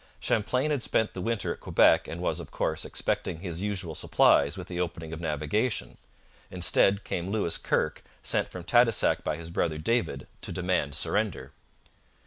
Champlain had spent the winter at Quebec and was, of course, expecting his usual supplies with the opening of navigation. Instead came Lewis Kirke, sent from Tadoussac by his brother David, to demand surrender.